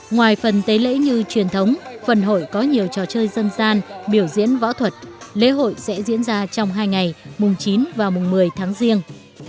ngoài phần tế lễ như truyền thống phần hội có nhiều trò chơi dân gian biểu diễn võ thuật lễ hội sẽ diễn ra trong hai ngày mùng chín và mùng một mươi tháng riêng